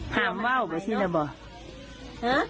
ห่ามเบ้าแบบนี้นะบอก